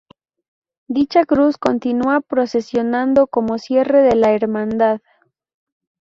Dicha Cruz continúa procesionando como cierre de la Hermandad.